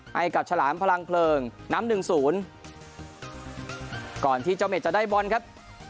ให้กับฉลามพลังเพลิงน้ำหนึ่งศูนย์ก่อนที่เจ้าเม็ดจะได้บอลครับ